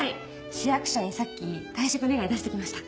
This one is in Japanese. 市役所にさっき退職願出してきました。